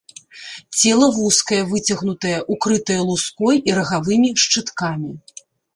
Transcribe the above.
Цела вузкае, выцягнутае, укрытае луской і рагавымі шчыткамі.